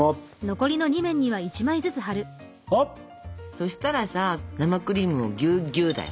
そしたらさ生クリームをぎゅっぎゅっだよ。